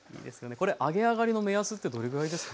これ揚げ上がりの目安ってどれぐらいですか。